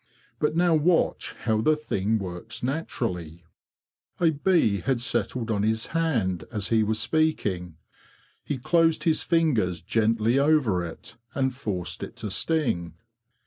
But now watch how the thing works naturally." A bee had settled on his hand as he was speaking. He closed his fingers gently over it, and forced it to sting.